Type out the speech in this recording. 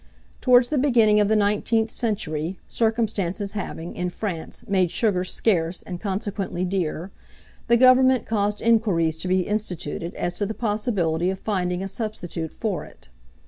Towards the beginning of the 19th century, circumstances having, in France, made sugar scarce, and consequently dear, the government caused inquiries to be instituted as to the possibility of finding a substitute for it.